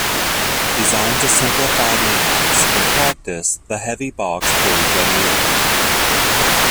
Designed to simplify maintenance, in practice the heavy box proved unwieldy.